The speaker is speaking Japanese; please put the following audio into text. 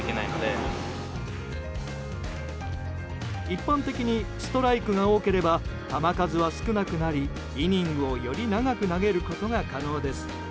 一般的にストライクが多ければ球数は少なくなりイニングをより長く投げることが可能です。